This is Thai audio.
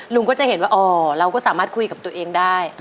ลุงก็จะเห็นว่าอ๋อเราก็สามารถคุยกับตัวเองได้